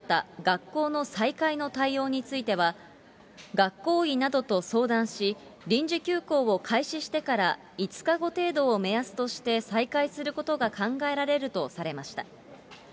また、これまで明確に示されていなかった学校の再開の対応については、学校医などと相談し、臨時休校を開始してから５日後程度を目安として再開することが考えられるとされました。